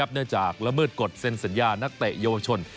เนื่องจากละเมิดกฎเซ็นสัญญานักเตะเยาวชน